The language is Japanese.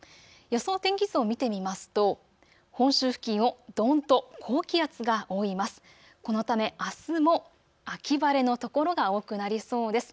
予想天気図を見てみますと本州付近をどんと高気圧が覆います。